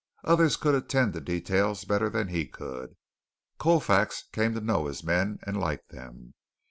Others could attend to details better than he could. Colfax came to know his men and like them.